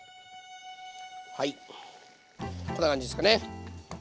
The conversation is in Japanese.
はいこんな感じですかね。